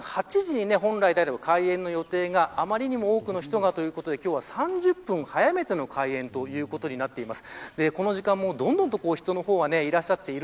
午前８時に、本来であれば開園の予定があまりに多くの人がということで今日は３０分早めての開園ということになっています。